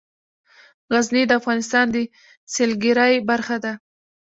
غزني د افغانستان د سیلګرۍ برخه ده.